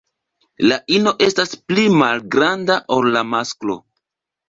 La ino estas pli malgranda ol la masklo.